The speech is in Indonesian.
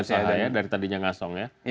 punya usaha ya dari tadinya ngasong ya